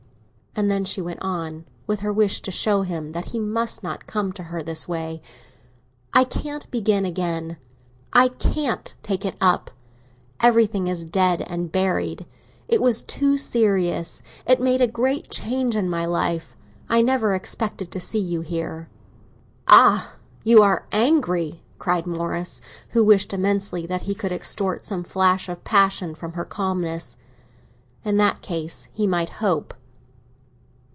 And then she went on, with her wish to show him that he must not come to her this way, "I can't begin again—I can't take it up. Everything is dead and buried. It was too serious; it made a great change in my life. I never expected to see you here." "Ah, you are angry!" cried Morris, who wished immensely that he could extort some flash of passion from her mildness. In that case he might hope.